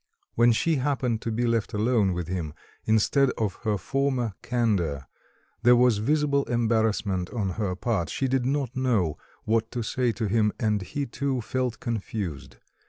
When she happened to be left alone with him, instead of her former candour there was visible embarrassment on her part, she did not know what to say to him, and he, too, felt confused.